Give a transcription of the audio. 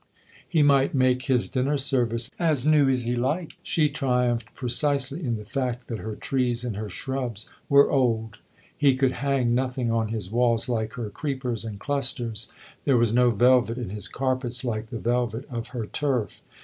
He might make his dinner service as new as he liked ; she triumphed precisely in the fact that her trees and her shrubs were old. He could hang nothing on his walls like her creepers and clusters ; there was no velvet in his carpets like the velvet of her turf.